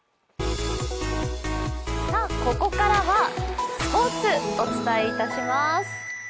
ここからはスポーツお伝えいたします。